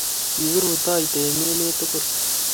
Kikirutoite eng' emet tugul.